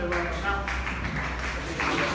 ขอบคุณครับ